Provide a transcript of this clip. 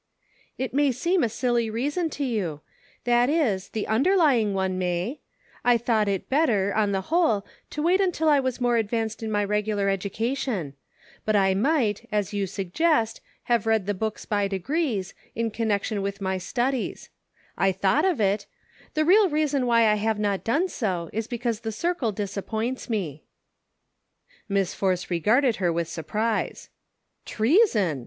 " It may seem a silly reason to you ; that is, the underlying one may ; I thought it better, on the whole, to wait until I was more advanced in my regular education ; but I might, as you suggest, have read the books by degrees, in connection with my studies ; I thought of it ; the real reason why I have not done so, is because the circle disappoints me." Miss Force regarded her with surprise, " Treason